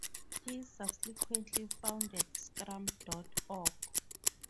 He subsequently founded Scrum dot org.